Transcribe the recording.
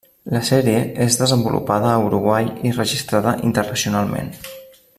La sèrie és desenvolupada a Uruguai i registrada internacionalment.